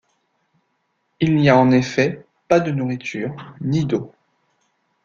Il n'y a en effet pas de nourriture ni d'eau.